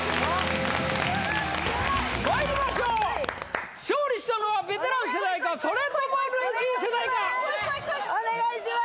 まいりましょう勝利したのはベテラン世代かそれともルーキー世代かこいこい・お願いします